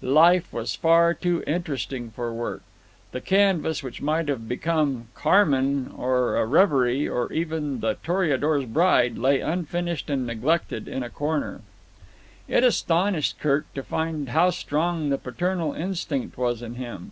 Life was far too interesting for work. The canvas which might have become "Carmen" or "A Reverie" or even "The Toreador's Bride" lay unfinished and neglected in a corner. It astonished Kirk to find how strong the paternal instinct was in him.